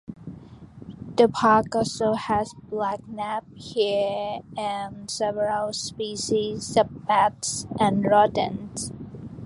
The park also has black-naped hare and several species of bats and rodents.